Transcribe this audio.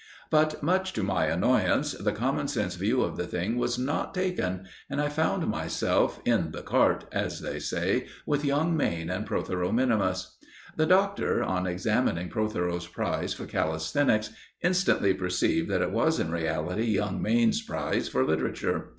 But, much to my annoyance, the common sense view of the thing was not taken, and I found myself "in the cart," as they say, with young Mayne and Protheroe minimus. The Doctor, on examining Protheroe's prize for calisthenics, instantly perceived that it was in reality young Mayne's prize for literature.